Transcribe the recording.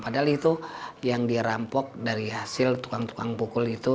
padahal itu yang dia rampok dari hasil tukang tukang pukul itu